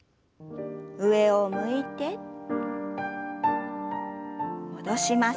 上を向いて戻します。